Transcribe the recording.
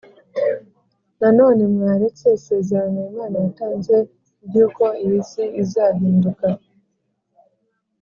Nanone bamweretse isezerano Imana yatanze ry uko iyi si izahinduka